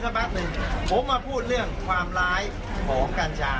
แต่ผมมาลดลงให้เห็นพิษร้ายของกัญชา